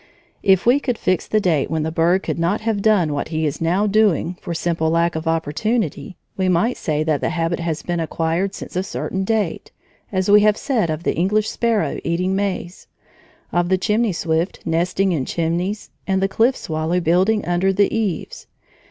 If we could fix the date when the bird could not have done what he is now doing for simple lack of opportunity, we might say that the habit has been acquired since a certain date as we have said of the English sparrow eating maize, of the chimney swift nesting in chimneys, and the cliff swallow building under the eaves.